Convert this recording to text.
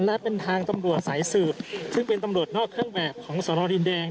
และเป็นทางตำรวจสายสืบซึ่งเป็นตำรวจนอกเครื่องแบบของสรดินแดง